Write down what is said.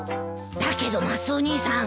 だけどマスオ兄さん